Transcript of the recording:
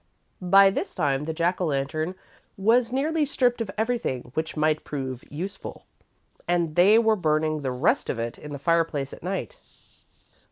By this time the Jack o' Lantern was nearly stripped of everything which might prove useful, and they were burning the rest of it in the fireplace at night.